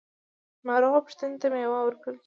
ناروغه پوښتنې ته میوه وړل کیږي.